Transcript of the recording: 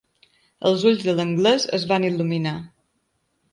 Els ulls de l'anglès es van il·luminar.